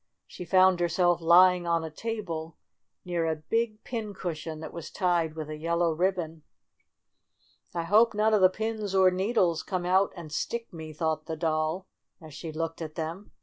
She found herself lying on a table near a big pin cushion that was tied with a yellow ribbon. "I hope none of the pins or needles come out and stick me," thought the Doll, as she looked at them.